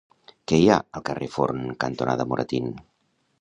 Què hi ha al carrer Forn cantonada Moratín?